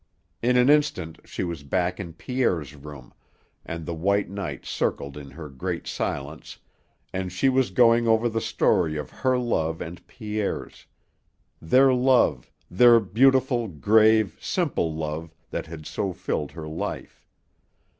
In an instant she was back in Pierre's room and the white night circled her in great silence and she was going over the story of her love and Pierre's their love, their beautiful, grave, simple love that had so filled her life.